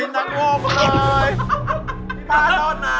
เต๋อใคร